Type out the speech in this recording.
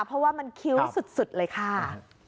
เพราะว่ามันคิ้วสุดเลยค่ะ